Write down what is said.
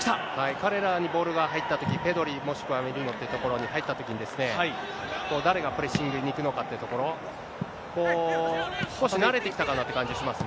彼らにボールが入ったとき、ペドリ、もしくはメリノというところに入ったときに、誰がプレッシングに行くのかってところ、少し慣れてきたかなという感じしますね。